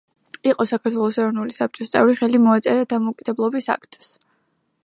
იყო საქართველოს ეროვნული საბჭოს წევრი, ხელი მოაწერა დამოუკიდებლობის აქტს.